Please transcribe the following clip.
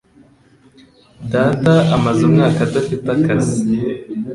Data amaze umwaka adafite akazi.